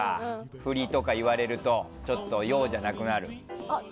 振りとか言われるとちょっと陽じゃなくなる。